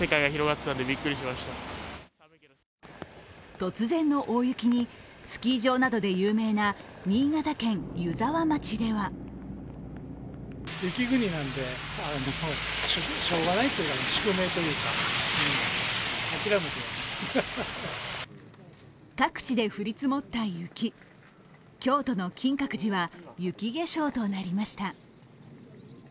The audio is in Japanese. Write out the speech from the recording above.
突然の大雪に、スキー場などで有名な新潟県湯沢町では各地で降り積もった雪、京都の金閣寺は雪化粧となりました。